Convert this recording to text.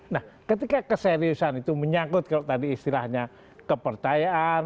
nah ketika keseriusan itu menyangkut kalau tadi istilahnya kepercayaan